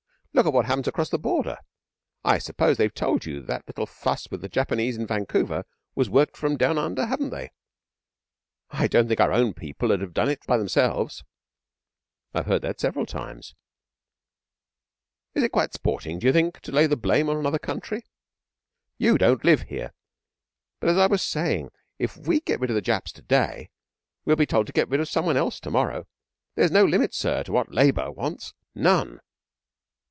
'Look what happens across the Border! I suppose they've told you that little fuss with the Japanese in Vancouver was worked from down under, haven't they? I don't think our own people 'ud have done it by themselves.' 'I've heard that several times. Is it quite sporting, do you think, to lay the blame on another country?' 'You don't live here. But as I was saying if we get rid of the Japs to day, we'll be told to get rid of some one else to morrow. There's no limit, sir, to what Labour wants. None!'